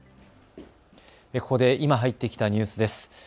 ここで今、入ってきたニュースです。